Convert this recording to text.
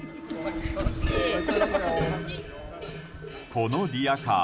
このリヤカー